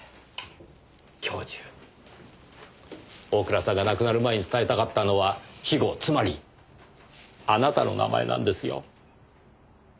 教授大倉さんが亡くなる前に伝えたかったのは肥後つまりあなたの名前なんですよ。